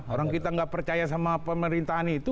orang kita nggak percaya sama pemerintahan itu